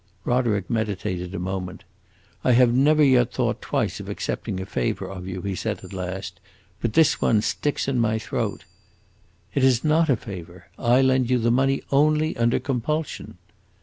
Roderick meditated a moment. "I have never yet thought twice of accepting a favor of you," he said at last; "but this one sticks in my throat." "It is not a favor; I lend you the money only under compulsion."